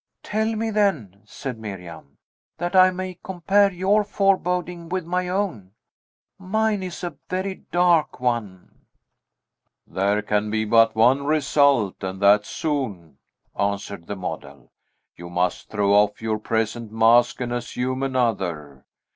"Tell me, then," said Miriam, "that I may compare your foreboding with my own. Mine is a very dark one." "There can be but one result, and that soon," answered the model. "You must throw off your present mask and assume another.